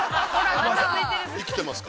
生きてますか。